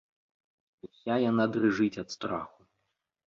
Уся яна дрыжыць ад страху.